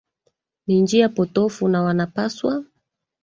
ni njia potofu na wanapaswa